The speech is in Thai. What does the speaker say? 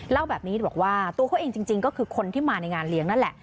เล่าแบบนี้บอกว่าตัวเขาเองจริงก็คือคนที่มาในงานเลี้ยงนั่นแหละ